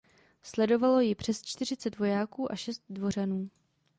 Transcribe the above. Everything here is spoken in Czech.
Sledovalo ji přes čtyřicet vojáků a šest dvořanů.